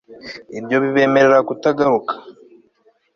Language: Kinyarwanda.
ibyo biremerera kutagaruka